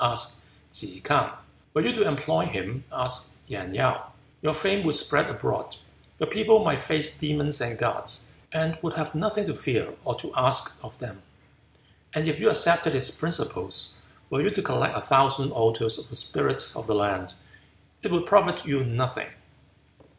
asked Ke K'ang. "Were you to employ him," answered Yen Yew, "your fame would spread abroad; your people might face demons and gods, and would have nothing to fear or to ask of them. And if you accepted his principles, were you to collect a thousand altars of the spirits of the land it would profit you nothing."